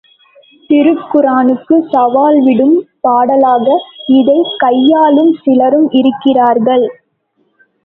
திருக்குரானுக்குச் சவால்விடும் பாடல்களாக இதைக் கையாளும் சிலரும் இருக்கிறார்கள்.